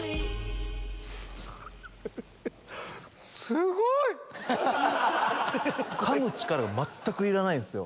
すごい！かむ力が全くいらないですよ。